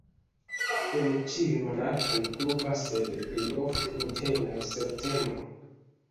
En ĉiuj monatoj pluva, sed plej ofte inter majo-septembro.